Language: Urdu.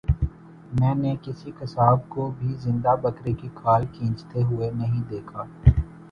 میں نے کسی قصاب کو بھی زندہ بکرے کی کھال کھینچتے ہوئے نہیں دیکھا